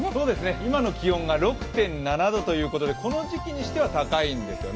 今の気温が６．７度ということでこの時期にしては高いんですよね。